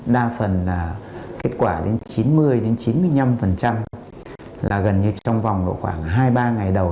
đa phần là kết quả đến chín mươi chín mươi năm là gần như trong vòng khoảng hai ba ngày đầu